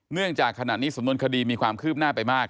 เนื่องจากขณะนี้สำนวนคดีมีความคืบหน้าไปมาก